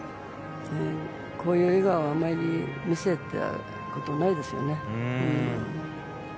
こういう笑顔はあまり見せたことないですよね。